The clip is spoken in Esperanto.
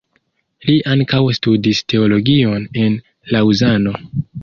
Li ankaŭ studis teologion en Laŭzano.